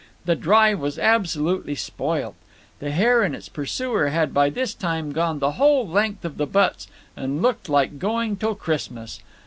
"The drive was absolutely spoilt. The hare and its pursuer had by this time gone the whole length of the butts, and looked like going till Christmas.